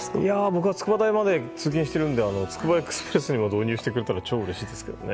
僕は筑波大まで通勤しているのでつくばエクスプレスにも導入してくれたら超うれしいですけどね。